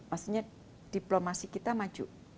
maksudnya diplomasi kita maju